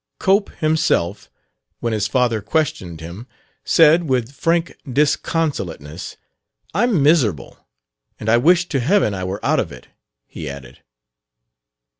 Cope himself, when his father questioned him, said with frank disconsolateness, "I'm miserable!" And, "I wish to heaven I were out of it!" he added.